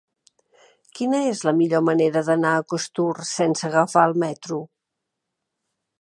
Quina és la millor manera d'anar a Costur sense agafar el metro?